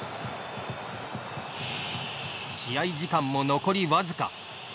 試合時間も、残り僅か。